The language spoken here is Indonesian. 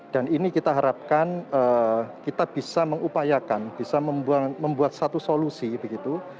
dan ini kita harapkan kita bisa mengupayakan bisa membuat satu solusi begitu